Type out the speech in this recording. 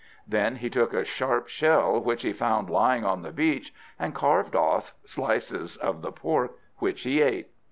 Then he took a sharp shell which he found lying on the beach, and carved off slices of the pork, which he ate.